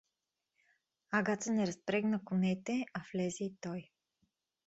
Агата не разпрегна конете, а влезе и той.